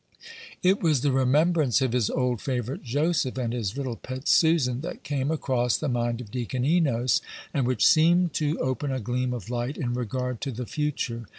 It was the remembrance of his old favorite Joseph, and his little pet Susan, that came across the mind of Deacon Enos, and which seemed to open a gleam of light in regard to the future.